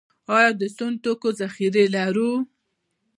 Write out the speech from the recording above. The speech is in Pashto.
آیا د سون توکو ذخیرې لرو؟